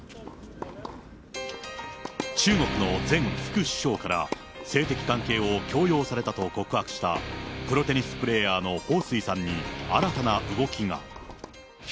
中国の前副首相から性的関係を強要されたと告白したプロテニスプレーヤーに彭帥さんに、新たな動きが。